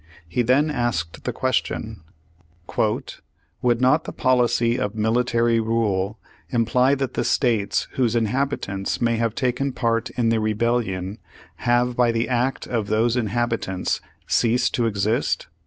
He then asked the question : "Would not the policy of military rule imply that the states whose inhabitants may have taken part in the Rebel lion, have by the act of those inhabitants ceased to exist?